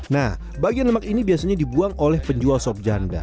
nah bagian lemak ini biasanya dibuang oleh penjual sop janda